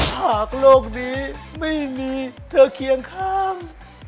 โลกนี้ไม่มีเธอเคียงข้าง